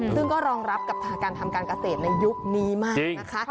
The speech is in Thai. ซึ่งก็รองรับกับทางการทำการเกษตรในยุคนี้มากนะคะ